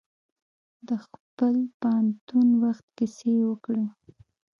د خپل پوهنتون وخت کیسې یې وکړې.